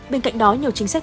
bên cạnh đó nhiều chính sách